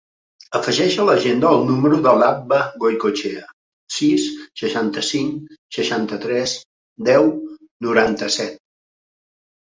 Afegeix a l'agenda el número de l'Abba Goikoetxea: sis, seixanta-cinc, seixanta-tres, deu, noranta-set.